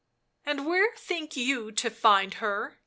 " And where think you to find her?"